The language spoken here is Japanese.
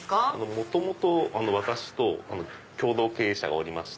元々私と共同経営者がおりまして。